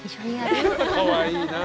かわいいな。